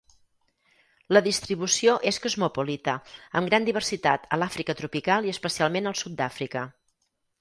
La distribució és cosmopolita, amb gran diversitat a l'Àfrica tropical i especialment al sud d'Àfrica.